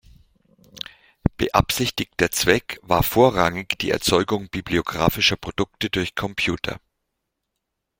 Beabsichtigter Zweck war vorrangig die Erzeugung bibliographischer Produkte durch Computer.